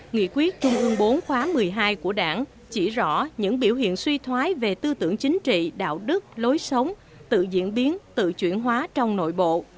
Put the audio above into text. nghị quyết trung ương bốn khóa một mươi hai của đảng chỉ rõ những biểu hiện suy thoái về tư tưởng chính trị đạo đức lối sống tự diễn biến tự chuyển hóa trong nội bộ